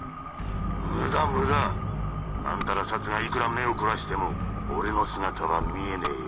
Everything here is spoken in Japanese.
無駄無駄あんたら警察がいくら目をこらしても俺の姿は見えねぇよ。